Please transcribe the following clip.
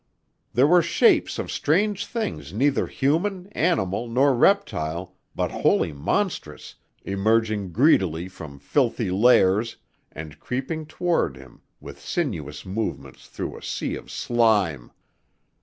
There were shapes of strange things neither human, animal nor reptile but wholly monstrous emerging greedily from filthy lairs and creeping toward him with sinuous movements through a sea of slime.